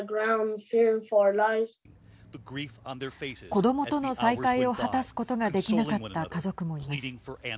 子どもとの再会を果たすことができなかった家族もいます。